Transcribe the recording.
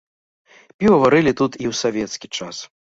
Піва варылі тут і ў савецкі час.